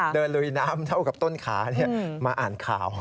ลุยน้ำเท่ากับต้นขามาอ่านข่าว